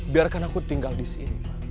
biarkan aku tinggal di sini